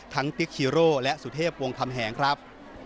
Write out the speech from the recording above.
ทั้งติ๊กฮีโร่และสุเทพวงธรรมแหงครับ